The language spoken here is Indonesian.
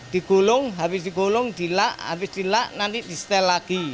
digulung habis digulung dilak habis dilak nanti distel lagi